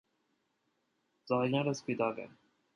Ծաղիկները սպիտակ են։